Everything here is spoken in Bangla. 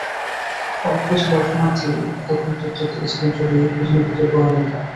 অল্পকিছু দর্শনার্থী এতক্ষণ চুপচাপ দেখছিলেন ছবি, একটু যেন বিরক্ত হলেন তাঁরা।